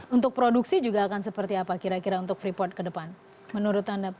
untuk produksi juga akan seperti apa kira kira untuk freeport ke depan menurut anda